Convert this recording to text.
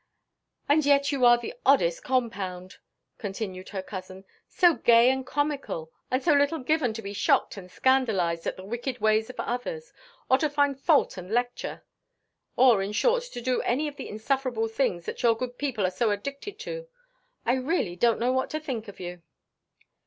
"And yet you are the oddest compound," continued her cousin, "so gay and comical, and so little given to be shocked and scandalised at the wicked ways of others; or to find fault and lecture; or, in short, to do any of the insufferable things that your good people are so addicted to. I really don't know what to think of you."